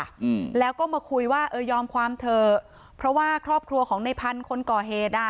อืมแล้วก็มาคุยว่าเออยอมความเถอะเพราะว่าครอบครัวของในพันธุ์คนก่อเหตุอ่ะ